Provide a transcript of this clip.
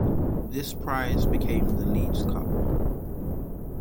This prize became the Leeds Cup.